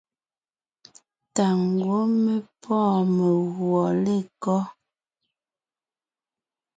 Tà ngwɔ́ mé pɔ́ɔn meguɔ lekɔ́?